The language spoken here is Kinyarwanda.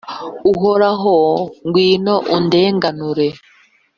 Uhoraho, ngwino undenganure.